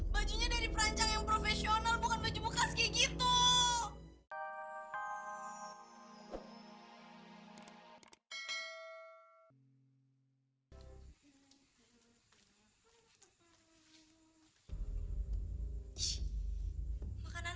bajunya dari perancang yang profesional bukan baju bekas kayak gitu